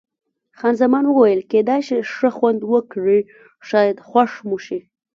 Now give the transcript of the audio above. خان زمان وویل: کېدای شي ښه خوند وکړي، شاید خوښ مو شي.